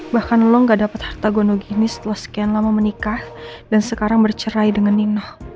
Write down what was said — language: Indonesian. bahkan lo gak dapat harta gonogini setelah sekian lama menikah dan sekarang bercerai dengan ninah